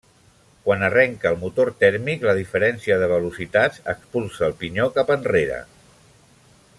Quan arrenca el motor tèrmic la diferència de velocitats expulsa al pinyó cap enrere.